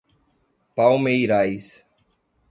Palmeirais